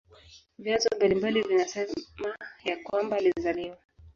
Vyanzo mbalimbali vinasema ya kwamba alizaliwa